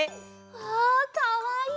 わあかわいい！